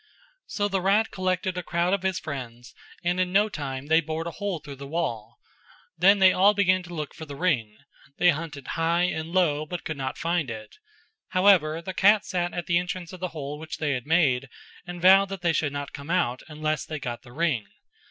So the rat collected a crowd of his friends and in no time they bored a hole through the wall; then they all began to look for the ring; they hunted high and low but could not find it; however the cat sat at the entrance of the hole which they had made and vowed that they should not come out, unless they got the ring.